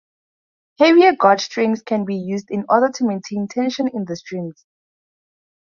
Heavier gauge strings can be used in order to maintain tension in the strings.